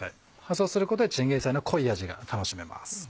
そうすることでチンゲンサイの濃い味が楽しめます。